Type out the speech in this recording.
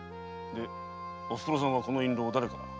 おふくろさんはこの印籠を誰から？